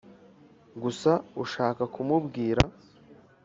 gusa ushaka kumubwira